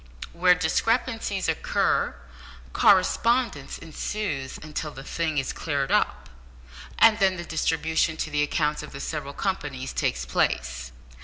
Where discrepancies occur, correspondence ensues until the thing is cleared up, and then the distribution to the accounts of the several companies takes place.